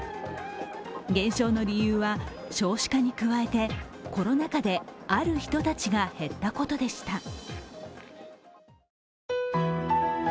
減少の理由は、少子化に加えてコロナ禍で、ある人たちが減ったことでした。